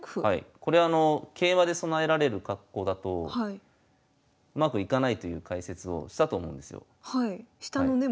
これあの桂馬で備えられる格好だとうまくいかないという解説をしたと思うんですよ。